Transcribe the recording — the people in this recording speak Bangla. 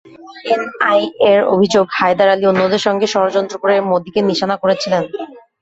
এনআইএর অভিযোগ, হায়দার আলী অন্যদের সঙ্গে ষড়যন্ত্র করে মোদিকে নিশানা করেছিলেন।